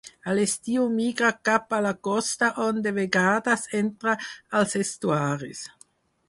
A l'estiu migra cap a la costa on, de vegades, entra als estuaris.